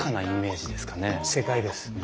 正解です！